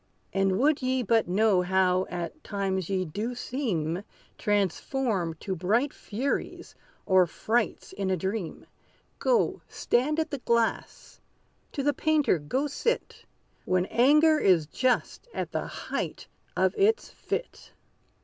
And would ye but know how at times ye do seem Transformed to bright furies, or frights in a dream, Go, stand at the glass to the painter go sit, When anger is just at the height of its fit!